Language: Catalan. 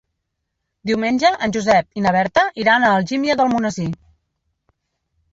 Diumenge en Josep i na Berta iran a Algímia d'Almonesir.